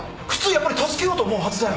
やっぱり助けようと思うはずだよ。